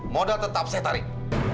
modal tetap saya tarik